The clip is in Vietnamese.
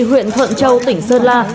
huyện thuận châu tỉnh sơn la